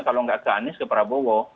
kalau nggak ke anies ke prabowo